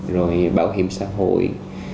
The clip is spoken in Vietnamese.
rồi bảo hiểm xã hội